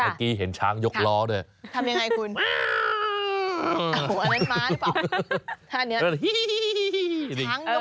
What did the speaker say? เมื่อกี้เห็นช้างยกล้อด้วยทำยังไงคุณอันนั้นม้าหรือเปล่าท่านี้